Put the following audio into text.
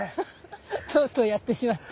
とうとうやってしまった。